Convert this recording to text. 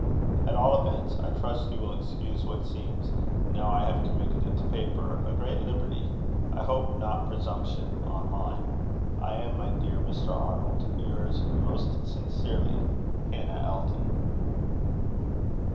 At all events, I trust you will excuse what seems now I have committed it to paper a great liberty, I hope not presumption, on mine. I am, my dear Mr. Arnold, "Yours most sincerely, "HANNAH ELTON."